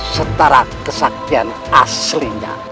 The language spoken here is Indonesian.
setara kesakian aslinya